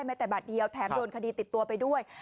ไม่แต่บาทเดียวแถมโดนคดีติดตัวไปด้วย